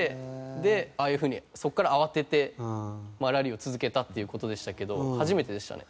でああいう風にそこから慌ててラリーを続けたっていう事でしたけど初めてでしたね。